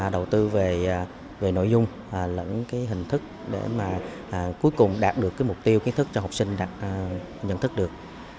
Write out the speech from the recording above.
đầu tư về nội dung lẫn hình thức để mà cuối cùng đạt được mục tiêu kiến thức cho học sinh nhận thức được